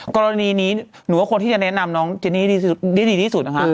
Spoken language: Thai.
กรณีนี้หนูว่าควรที่จะแนะนำน้องเจนี่ได้ดีที่สุดนะคะ